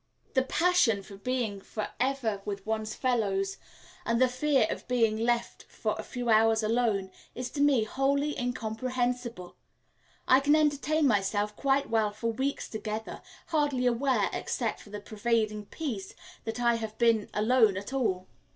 The passion for being for ever with one's fellows, and the fear of being left for a few hours alone, is to me wholly incomprehensible. I can entertain myself quite well for weeks together, hardly aware, except for the pervading peace, that I have been alone at all.